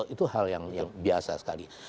itu hal yang biasa sekali